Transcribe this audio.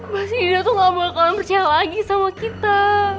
pasti dinda tuh gak bakalan percaya lagi sama kita